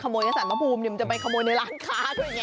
มันจะไปขโมยในร้างคา